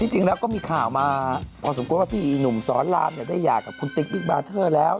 จริงแล้วก็มีข่าวมาพอสมควรว่าพี่อีหนุ่มสอนรามได้หย่ากับคุณติ๊กบิ๊กบาร์เทอร์แล้ว